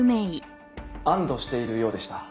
安堵しているようでした。